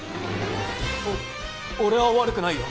お俺は悪くないよ。